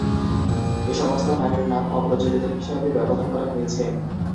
এসমস্ত নারীর নাম অপ্রচলিত হিসাবে ব্যবহার করা হয়েছে।